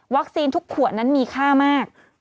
วัคซีนทุกขวดนั้นมีค่ามาก